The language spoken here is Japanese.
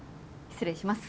失礼します。